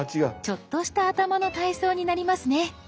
ちょっとした頭の体操になりますね。